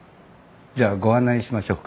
じゃあご案内しましょうか？